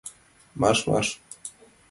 Марш, марш!